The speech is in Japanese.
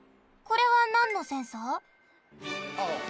これはなんのセンサー？